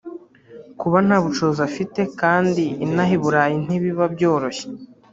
kuba nta bushobozi afite kandi inaha i Burayi ntibiba byoroshye